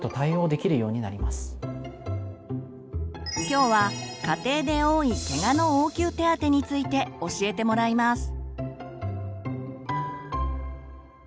きょうは家庭で多いケガの応急手当について教えてもらいます。